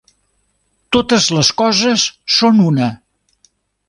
Totes les coses són una.